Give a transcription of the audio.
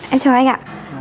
em chào anh ạ